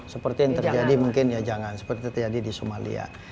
seperti yang terjadi di somalia